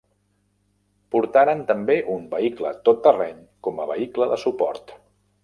Portaren també un vehicle tot terreny com a vehicle de suport.